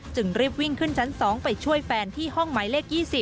จึงรีบวิ่งขึ้นชั้น๒ไปช่วยแฟนที่ห้องหมายเลข๒๐